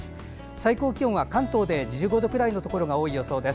最高気温は、関東で１５度くらいのところが多い予想です。